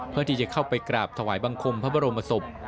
เพื่อที่จะเข้าไปกราบถวายบังคมพระบรมศพ